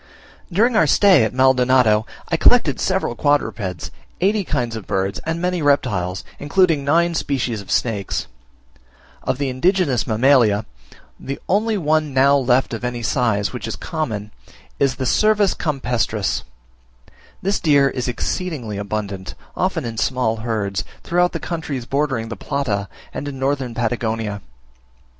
During our stay at Maldonado I collected several quadrupeds, eighty kinds of birds, and many reptiles, including nine species of snakes. Of the indigenous mammalia, the only one now left of any size, which is common, is the Cervus campestris. This deer is exceedingly abundant, often in small herds, throughout the countries bordering the Plata and in Northern Patagonia.